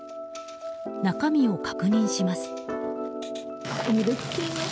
中身を確認します。